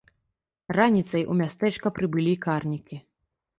Раніцай у мястэчка прыбылі карнікі.